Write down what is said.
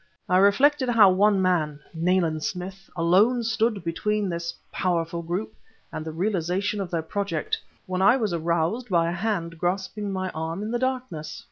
I reflected how one man Nayland Smith alone stood between this powerful group and the realization of their project ... when I was aroused by a hand grasping my arm in the darkness!